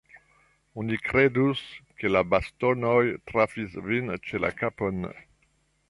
Oni kredus, ke la bastonoj trafis vin ĉe la kapon.